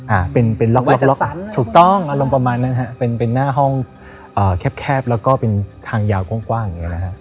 เอ่าเป็นล๊อคแบบน้ำห้องแคบแล้วก็เป็นทางยาวกว้าง